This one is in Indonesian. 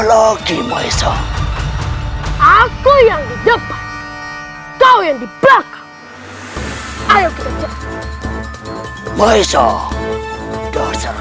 setelah saya sudah diberikan untung tindakan ketiga tiga jahat di rumah saya